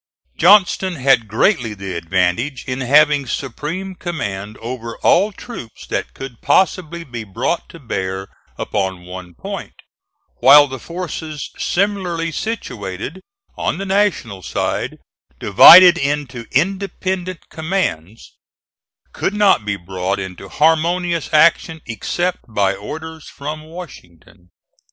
Johnston had greatly the advantage in having supreme command over all troops that could possibly be brought to bear upon one point, while the forces similarly situated on the National side, divided into independent commands, could not be brought into harmonious action except by orders from Washington.